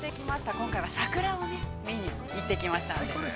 今回は桜を見に行ってきましたので、◆最高ですね。